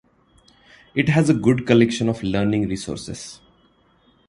It has a good collection of learning resources.